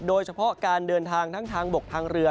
โดยเฉพาะการเดินทางทั้งทางบกทางเรือ